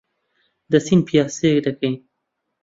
دەچین پیاسەیەک دەکەین.